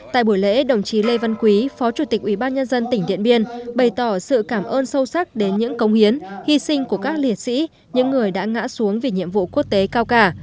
tại buổi lễ đồng chí lê văn quý phó chủ tịch ubnd tỉnh điện biên bày tỏ sự cảm ơn sâu sắc đến những công hiến hy sinh của các liệt sĩ những người đã ngã xuống vì nhiệm vụ quốc tế cao cả